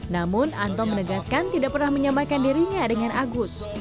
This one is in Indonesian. namun anto menegaskan tidak pernah menyamakan dirinya dengan agus